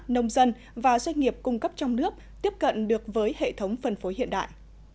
nông dân và doanh nghiệp cung cấp trong nước tiếp cận được với hệ thống phân phối hiện đại